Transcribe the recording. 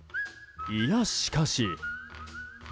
いや、しかし。